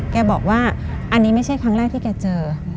แกบอกว่าอันนี้ไม่ใช่ครั้งแรกที่แกเจอ